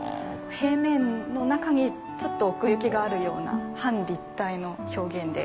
平面の中にちょっと奥行きがあるような半立体の表現で。